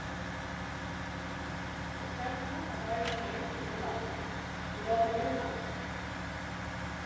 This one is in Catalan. S'assembla a Reimain in Light, probablement massa.